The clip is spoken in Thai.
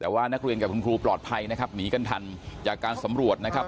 แต่ว่านักเรียนกับคุณครูปลอดภัยนะครับหนีกันทันจากการสำรวจนะครับ